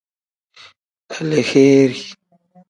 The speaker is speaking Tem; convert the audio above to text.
Aleheeri.